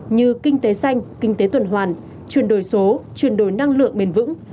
như kinh tế xanh kinh tế tuần hoàn chuyển đổi số chuyển đổi năng lượng bền vững